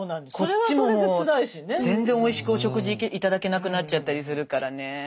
こっちも全然おいしくお食事頂けなくなっちゃったりするからね。